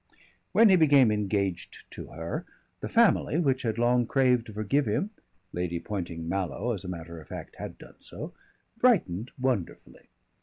When he became engaged to her, the family, which had long craved to forgive him Lady Poynting Mallow as a matter of fact had done so brightened wonderfully.